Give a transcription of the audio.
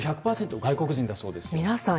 外国人の方だそうです。